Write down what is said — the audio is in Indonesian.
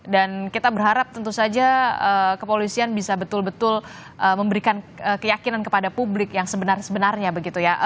dan kita berharap tentu saja kepolisian bisa betul betul memberikan keyakinan kepada publik yang sebenarnya sebenarnya begitu ya